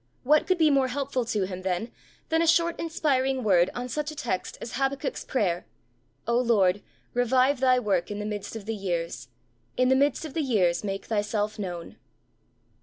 What could be more helpful to him, then, than a short inspiring word on such a text as Habakkuk's prayer: '_O Lord, revive Thy work in the midst of the years, in the midst of the years make Thyself known!